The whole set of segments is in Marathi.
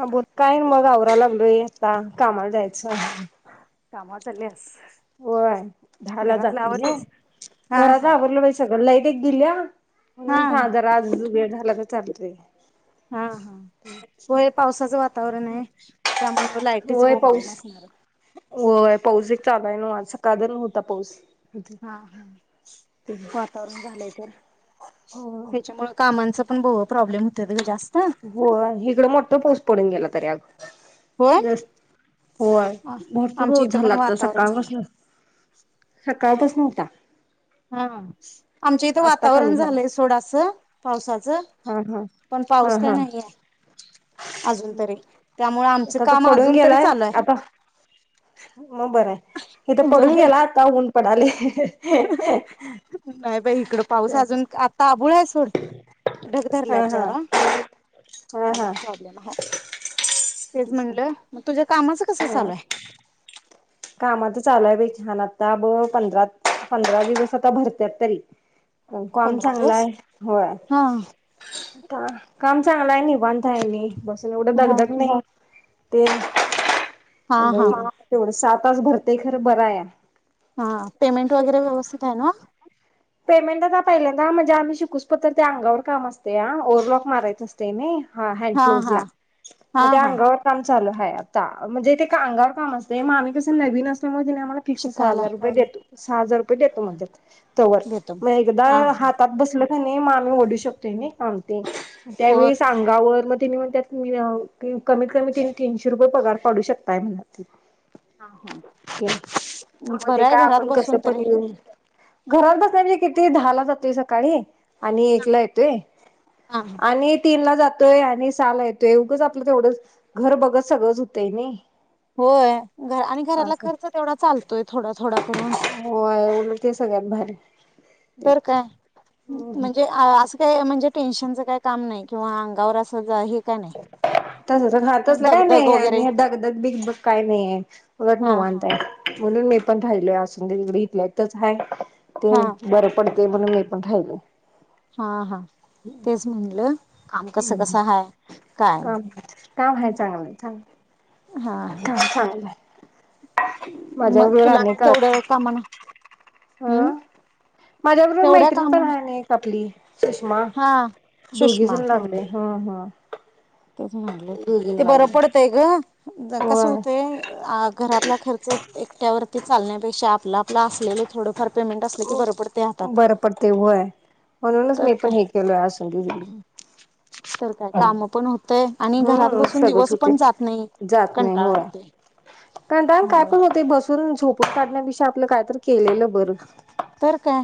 ह बोल काय मग आवरायला लागलोय... का कामाला जाय,.... कामव चालीये? होय दहा ला जाते नी आवरलीस हा हा घरातलं आवरलं बाई सगळं लाईट एक गेल्या हा म्हणून [unintelligible] जरा आज वेळ.. झाला ग चालुदे.... हा हा होय पावसा..... [unintelligible] होय बोंबाबोंब पाऊस असणार होय पाऊस एक चालू आहे नव्ह आज काल अ नव्हता पाऊस.. हा हा वातावरण झालंय तर हो यांच्यमुळ कामांच....... पण भू प्रोब्लेम हो इकडं मोठ पाऊस पडून गेला... होय [unintelligible] होय भरपूर आमच्या पाऊस इथं पण झाला आता वातावरण सकाळ झालंय पासन काल पसनं व्हता हा आमच्या इथं कमी वातावरण झाला झालंय सोड असं पावसाचं..... हा हा पण हा पाऊस काय हा नाही ये.... आता तर काम पडून अजून तरी गेलाय चालू आहे आता मग बर आहे इथे पडून होय गेला आता ऊन.... पडालाय ह [unintelligible] नाही बाई इकड पाऊस अजून हा आत........ ताबुळायस...... सोड ढग धरल्यात हा जरा हा हा त्यामुळे प्रॉब्लेम आहे तेच म्हटलं मग तुझ्या कामांचं कस ह चालू आहे. कामाच चालूय बाई आता ब पंधरा पंधरा दिवस आता भरत्यात तरी काम पंधरा चांगला दिवस आहे होय हा आता... काम चांगलं आहे निवांत... काय नाही बसून एवढं हा दगदग नाही [unintelligible] ते हा हा लई तेवढं सात.... तास भरतय खरं बराया.... हा पेमेंट वगैरे व्यवस्थित आहे नव? पेमेंट आता पहिल्यांद म्हणजे आम्ही शिकूच पोतर तर त्या अंगावर काम असते या ओव्हरलॉक मारायच असतय नि.... हा हँड क्लोज ला मग हा त्या हा अंगावर काम चालू हाय आता म्हणजे ते का अंगावर काम असते मग आम्ही कस नवीन असल्यामुळे आमला फिक्स सहा शिकायला हजार रुपये देतो सहा हजार रुपये देतो म्हणत्यात तवर देतो मग एकदा हा हा हातात बसल कनय आम्ही ओढू शकतो नाय काम ते होय त्यावेळी सांगावर म तेनी म्हणत्यात कमीत कमी ति तीनशे रुपये पगार पाडू शकताय म्हन हा हा मध्ये बरं का आहे घरात आपण कसं बसून पण तरी येऊन घरात बसायचं किती दहाला जातोय सकाळी आणि एक ला येतोय हा आणि तीन ला जातोय आणि ल येतोय एवगंच आपलं तेवढं घर बघत सगळंच होतंय नाही. होय घर आणि घराला असं खर्च तेवढा चालतोय थोडा थोडा. करून होय तउलट ते सगळ्यात भारी [inaudible] ते तर काय म्हणजे असं काय म्हणजे. टेन्शनच काही काम नाही किंवा अंगावर अस तस ह तसलं काय दगदग वगैरे नाही धगधग बीग ब काय नाही उलट हा निवांत हा आहे म्हणून मी पण राहिलोय असूनदे इथल्या इथच हाय ते हा बरं पड ते पण मी पण राहिलो हा हा तेच म्हणल काम कसं कसं हाय. काय काम काम आहे चांगलंय हा. हा का चालेूय मग तुला काय तेवढ्या कामाना हम्म माज्या बरोबर तेवढ्या मैत्रीण पण कामाना आहे एक आपली सुषमा हा सुषमा हा तेच म्हणल ते बर लागले पडतंय ग कस होय होतंय आ घरातला खरच एकट्यावर्ती चालण्यापेक्ष आपलं आपलं असलेलं थोडं फार बरं पडतंय होय म्हणूनच तर मी पण काय हे केलय असुंदे तिकडं. हम्म तर काय काम पण होतोय आणि घरात हम्म बसून सगळंच दिवस होते पण जात नाही जात नाही कंटाळा होय. येतोय कंटाळून काय त्यामुळ...... पण होते बसून झोपून काडण्या पेक्षा आपलं काय तर के तर काय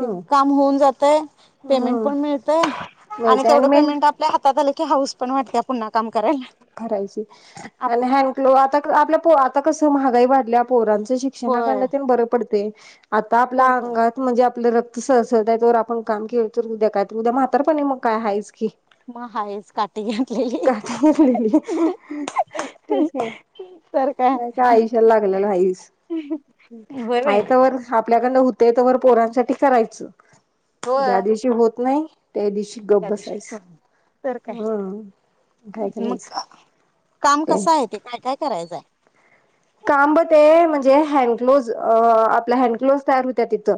ते काम होऊन जातंय. पेमेंट हम्म पण मिळतंय आणि मिळते तेवढं मेन पेमेंट आपल्या हातात आल की हाऊस..... पण वाटतेय पुन्हा काम.. करायला करायची आणि हँडग्लो आता... आपल्या पो आता कसं म्हागाई वाडलीया पोरांचं ते शिक्षणाकडन होय तेन बर पडत ते आता तर आपल्या काय अंगात म्हणजे आप रक्त सळसळतय तवर आपण काम केलो तर उद्या काय तर उद्या म्हातारपणी मग काय हायचं की.. म हायच का..... काटी घेतलेली. तेचं की तर काय बाईच्या आयुष्याला लागलेलं हाईच. होय बाई हाय तोवर आपल्याकडून हुत ते तवर पोरांसाठी करायचं.. ज्या होय दिवशी होत नाही त्या दिवशी गप त्या दिवशीच तर काय बसायचं हम मग काम कस आहे ते काय काय कराय..... जाय काम ब ते म्हणजे ह्यांडग्लोज अ आपल ह्यांडग्लोज तयार होतात तिथं.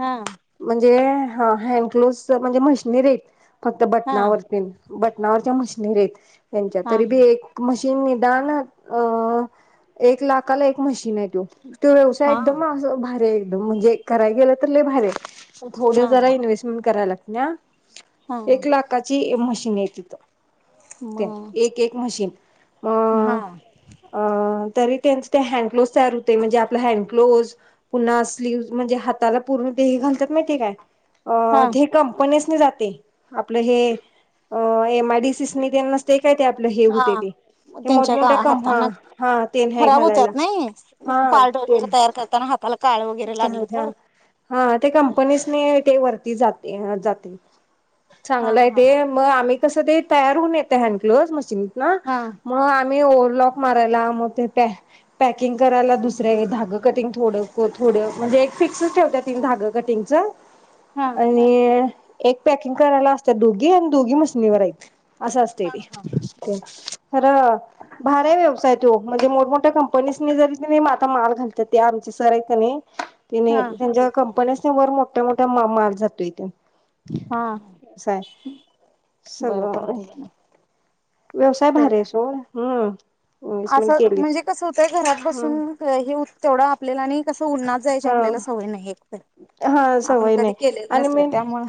हा म्हणजे हा ह्यांडग्लोज म्हणजे मशनरी ईत.... फक्त हा बटणावर तेन... बटनावरच्या म्हशनरी हाईत. त्यांच्या हा तरी बी एक म्हशी.... तो निदान अ एक लाखाला एक म्हशीन ये त्यो तो व्यवसाय हा एकदम असा भारीए. एकदम म्हणजे कराय गेलं तर लय भारी आहे. थोड हा जरा इन्व्हेस्टमेंट कराय लागते...... न्या... हा एक लाखाची म्हशीन ये तिथं मग एक एक म्हशीन हा अ अ..... तरी त्यांचे ते हँडग्लोव्हज तयार होतंय म्हणजे आपले हॅन्डग्लोव्हज पुन्हा स्लिव्हस म्हजे ते हातात पूर्ण ते हे घालतात माहीते काय. अ हा ती कंपनी. मी जाते आपल हे एमआइडीसिस नि ते नसतय का. काय ते आपलं हे हा होतंय ते मोठं त्यांच्या का मोठ्या कंप हा हातांना हा. नाही खराब घालायला होतात नाहा पाल डोगे तयार करताना हाताला काळ वगैरे हे लागलं तर ते कंपनीसनी ते वरती जाते हा चांगल आहे हा ते मग आम्ही तस ते तयार होऊन येतय हँडग्लोवस मशीन न ना हा मग मी ओव्हरलॉक मारायला मग ते पॅ पॅकिंग करायला मग दुसरे धागे कटिंग थोड हो थोडे म्हणजे ते फिक्स ठेवतात ते धागे कटींग च. हा आणि एक पॅकिंग करायला असत्यात दोघी आणि दोघी मशनी वर हायत अस असतंय हा ते खरं भारीय व्यवसाय तो म्हणजे मोठ मोठ्या कंप पणिस्णी जरी कणाय म आता माल घालत्यात ते आमच्या करायचं नई तेनी हा त्यांची कंपनी. मोठं मोठा माल जातोय तो. हा असय बरं सगळं. पडतंय म्हणा व्यवसाय तर भारी आहे काय, सोड हम्म इन्व्हेस्टमेंट आसं केलीत म्हणजे कस होतंय घरात हम्म बसून काय हे उत्त तेवढं आप आपल्याला आणि तस उन्हात जायची सवय नाही एकतर ह सवय नाही आणि मी त्यामुळं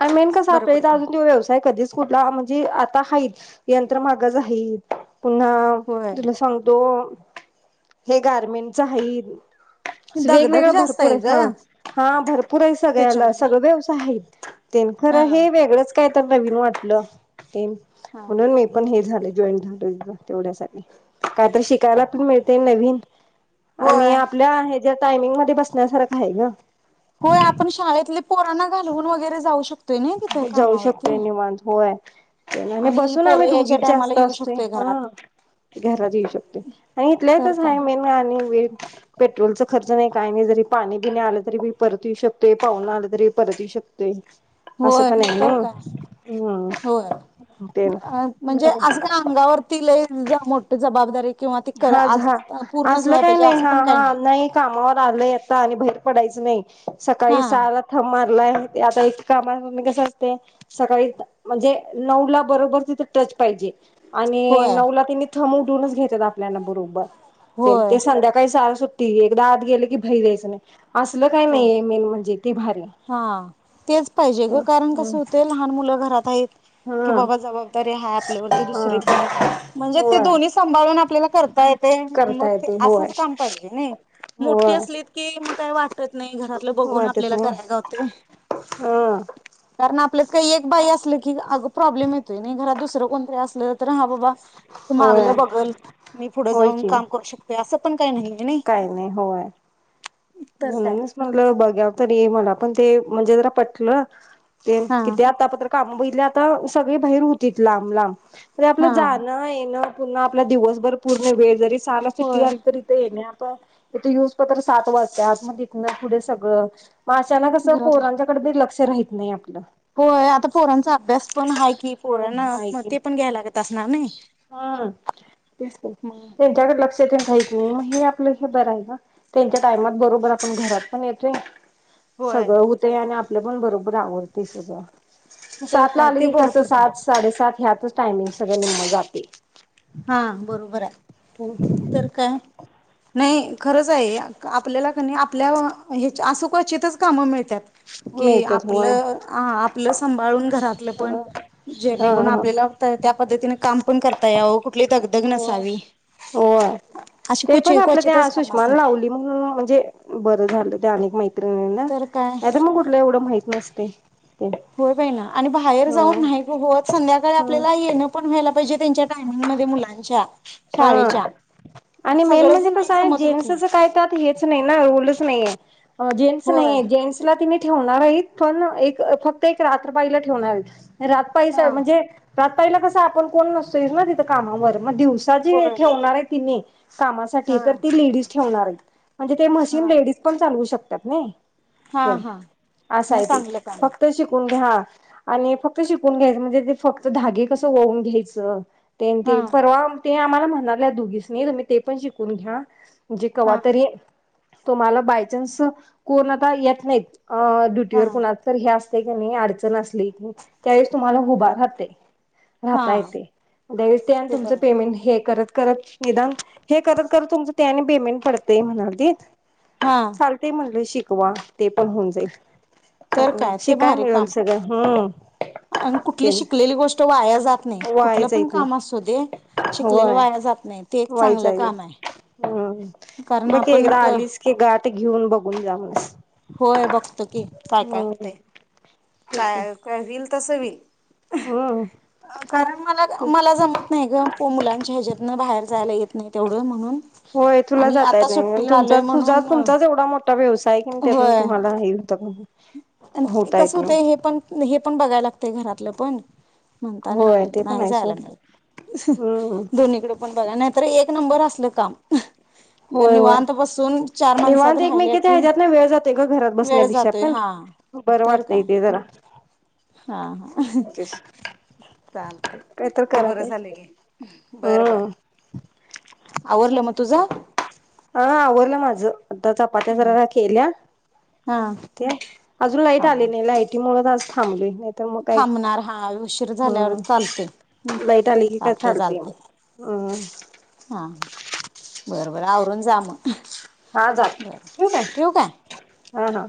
आता मेन कस असत बरं आपल्या इथ पडतंय अजून तो व्यवसाय कधीच कुठला म्हणजे आता हाई यंत्र माग जाईल. पुन्हा होय तुला सांगतो हे गारमेंट च हाई असं दगधग वेगवेळ जास्त भरपूर आहे आहेत ग हा हा भरपूर हाय सगळ्याला त्याच्यामध्ये सगळ व्यवसाय हाय. हा खरं हे वेगळच काय तर नवीन वाटलं. [inaudible] नेम हा म्हणून मी पण हे झाले जॉईन झाले. तेवढ्यासाठी काय तर शिकायला पण मिळतयं नवीन आणि होय आपल्या आहेत त्या टाइमिंग मधे बसण्यासारखं हाय ग. होय आपण शाळेतले पोरांना घालवुन वगैरे जाऊ शक जाऊ शकतोय निवांत होय. ते आणि ही बसून आम्ही पोरं यायच्या दोघीचं टायमाला जास्त येऊ असतोय शकतोय घरात हा घरात येऊ शकतोय आणि इथल्या तर इथचं काय आहे मेन म्ह आणि वेळ पेट्रोलचा खर्च नाही, काय नाही, जरी पाणी बिणी आलं तरी बी परत येऊ शकतोय पाहूणं आलं तरी परत येऊ शकतोय. असं होय पण आहे ना तर काय हम्म होय ते अ म्हणजे बर असं काही अंगावरती लई मोठी जबाबदारी किंवा ती कर हा आज झा पूर्णच असलं व्हाय काही पाहिजे नाही असं हा पण काही हा नाही नाई कामावर आलयं आत्ता आणि बाहेर पडायचं नाही सकाळी हा सहाला थंम मारलाय आता इ कामाव म मी कसं असतंय सकाळी म्हणजे नऊला बरोबर तिथे टच पाहिजे. आणि होय नऊला त्येंनी हा मोडूनच घेत्यात आप प्लॅन बरोबर तेन होय ते संध्याकाळी सहाला सुट ती एकदा आत गेलं की बाहेर यायचं नाही. असलं काही होय नाहीये मेन म्हणजे ते भारी हा तेचं पाहिजे ग कारण कसं होतंय लहान मुल घरात हाईत. की हा बाबा जबाबदा गेल्यावर ती दुसरी हा पण म्हणजे ते होय दोन्ही संभाळून आपल्याला करता येतयं मग करता ते येते होय असंच काम पाहिजे नाई मोठी होय असलीत की मग काय वा नाही घरातलं बघून होय त्यात आपल्याला नाही कराय घावतय हा कारण आप आपल्यात काय एक बाई असली की अगं प्रॉब्लेम येतोय नाई घरात दुसरं कोणतरी असल तर हा बाबा ती मागल होय बगल मी पुढे जाऊन काम करू शकतिया असं पण काही नाहीये काही नाही होय. तर काय म्हणूनच म्हणलं बघयावं तरी मला पण ते म्हणजे जरा पटलं. तेल हा किती आत्ता पतर काम बघितली आता सगळी बाहीर होतीत लांब लांब. ते आपलं हा जाणं येणं पुन्हा आपला दिवसभर पूर्ण वेळ जरी होय [unintelligible] येतो यूज पेपर सात वा त्या आतमध्ये न पुढे सगळ! म अचानक अस घरातलं पोरांच्याकडे दुर्लक्ष ते राहित नई आप होय आता पोरांचा अभ्यास, पण हाय की पोरांना आत्म की ते पण घ्याय लागत असणार नई हा तेच ना त्यांच्याकडे लक्ष [unintelligible] हे आपलं आपलं बर हाय ना त्यांच्या टाइम ला बरोबर आपण घरात पण येतोय. होय सगळ हुताय ना आप आपलं पण बरोबर आवरतय सगळ. तर सात ला काय आल, ते की बरं कस पडतंय. सात साढे सात ह्या तोच टाईमिंग सगळ नी मजा [inaudible] हा बरोबर आय तर काय नई खरज हाय ये अका आप [unintelligible] आपल्याला क नई आपल्या अ हेच्या असं क्वचित च काम मिळत्यात. की मिळत्यात आपल होय. आ आप प्लस! संभाळून घरातल पण जेणे हा करून हा आपल्याला त्या पद्धतीने काम पण करता याव खुप हो हो आ अशी ते पण क्वचित आपल त्या क्वचितच काम सुष्मा ने असतात लावली मनून म्हणजे बर झाल त्यानी मै नई ना तर नाही तर मग कुठलं एवढं माहित नस ते होऊ दे ना आणि बाहेर हा जाऊन हे संध्याकाळी आपल्याला येन पण व्हायला पाहिजे त्यांच्या [unintelligible] मुलांच्या हा शाळेच्या आणि मेन सगळंच म्हणजे नाही कसाये, जमत रुटीन जेन्टस च काही पार्ट हेच नाही ना रोल च नाईये, जेन्टस होय नाइये जेन्टसला तिने ठेवणार अहित पण, फक्त एक रात्र बाई ला ठेवणार ये. घरात पैसाये हा म्हणजे त्यात पहिल कस, आपण कोणी नसेन ना तिथ कामावर मा दिव जीव ये होय ठेवणारये की नाई कामासाठी, हा तर ती लेडीज ठेवणारईत मंजे ते हा मशीन लेडीज पण चालवू शक तज्ञ हा तेन हा असं मग आहे ते. चांगलं काम आहे फक्त शिकून घ्या आणि फक्त शिकून घ्यायचं म्हणजे ते फक्त धागे कसं ओवून घ्यायचं. ते न हा ते परवा ते आम्हाला म्हणाल्या दोघीस्नि तुम्ही ते पण शिकून घ्या. जे हा कवातरी तुम्हाला बाय चान्स कोण आता येत नाहीत अ ड्युटी हा वर कुणाच तरी ह्यास तई कनी अडचण असली त्यावेळेस तुम्हाला उभा राहते हा राहता येते [unintelligible] ते तुमच बरं हे म्हण हे करत, करत निदान हे करत, करत तुमच ते आणि पेमेंट पडतय म्हणालतीत. हा चालतय म्हणल शी वा ते पण होऊन जाईल. तर करून शिकाया मिळल सगळ ह्म्म. अन कुठली शिकलेली गोष् तो वाया जात नाही. वाया कुठल पण जाईत काम नाही असू दे शिकलेल होय वाया जात नाही. ते एक वाया चांगलं जाईल काम आहे. हम्म कारण बघ की आपण एकदा क- आलीस की गा आता ते घेऊन बघून जा म्हणून. होय बघतो की काय काय हुतय. काय, काय रील तसं वि हम्म कारण मला मला जमत नाही ग पु मुलांच्या ह्याच्यातन बाहेर जायला यत नाही तेव्हढ म्हणून व्हय तुला आणि जाता आता येत नाही ग सुट्टीला तुमचा आलोय तुझा म्हणून तुमचाच एव्हढा मोठ्ठा व्यवसाय आहे की त्यातून तुम्हाला हे होत अन हे होता येत कसं नाही होतय हे पण हे पण बघायला ते घरातलं पण होय म्हणतानं ते पण नाही आहे जायला सोड लागणार. हम्म दोन्हीकड पण बघा नाहीतर एक नंबर असलं काम होय होय निवांत बसून चार माणसात निवांत राहिल्या एकमेकीच्या की वेळ जात हल्ल बरं वाटतय तेे जरा. हा हा तेच चालतय काय तर ते करा बरं झालं पाहिजे. की बर बर हम्म. आवरलं म चालतंय. तुझ? हा आवरल माझं आता चपात्या जरा रा केल्या. हा त्या अजून लाईट हा आली नाही लाईटीमुळ आज थांबलोय. नाही तर मग काय. थांबणार हा उशीर झाल्यावर चालतोय हम्म लाईट आली की काय चालते चालतेय चालते मग. हम्म [inaudible] हा बर बर आवरून जा मग हा जाते ठेवू काय? हा हा